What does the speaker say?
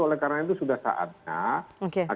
oleh karena itu sudah saatnya